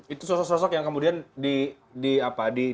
itu sosok sosok yang kemudian di apa